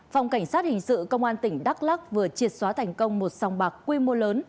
phòng cảnh sát hình sự công an tỉnh đắk lắc vừa triệt xóa thành công một sòng bạc quy mô lớn